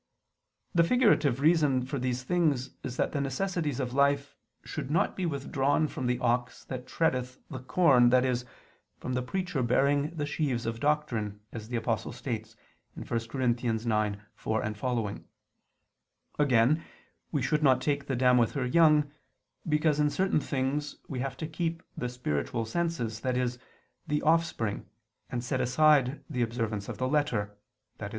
The figurative reason for these things is that the necessities of life should not be withdrawn from the ox that treadeth the corn, i.e. from the preacher bearing the sheaves of doctrine, as the Apostle states (1 Cor. 9:4, seqq.). Again, we should not take the dam with her young: because in certain things we have to keep the spiritual senses, i.e. the offspring, and set aside the observance of the letter, i.e.